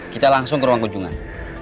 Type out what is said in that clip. kita langsung ke ruang kunjungan